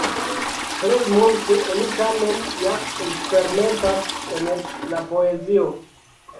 Plej multe oni tamen ja eksperimentas en la poezio.